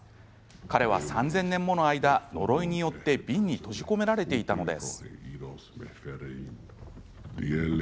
彼は３０００年もの間呪いによって瓶に閉じ込められていたのです。